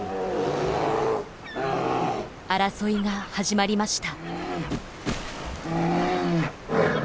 争いが始まりました。